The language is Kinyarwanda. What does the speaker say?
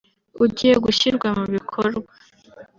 ugiye gushyirwa mu bikorwa